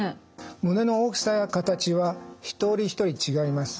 胸の大きさや形は一人一人違います。